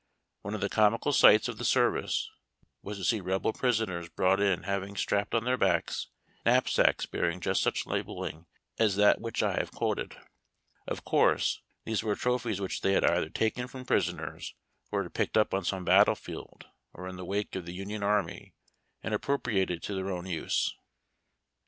One of the comical sights of the service was to see Rebel prisoners brought in liaving strapped on their backs knapsacks bearing just such label ling as that which I have quoted. Of course, these Avere trophies which they had either taken from prisoners or had picked up on some battlefield or in the wake of the Union army, and appropriated to their own use.